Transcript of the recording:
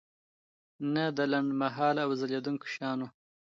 نه د لنډمهاله او ځلیدونکي شیانو.